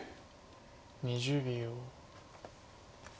２０秒。